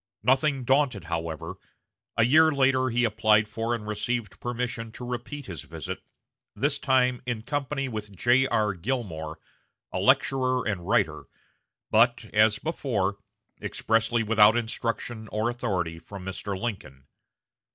Nothing daunted, however, a year later he applied for and received permission to repeat his visit, this time in company with J.R. Gilmore, a lecturer and writer, but, as before, expressly without instruction or authority from Mr. Lincoln.